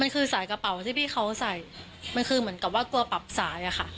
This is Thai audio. มันคือสายกระเป๋าที่พี่เขาใส่มันคือเหมือนกับว่าตัวปรับสายอะค่ะ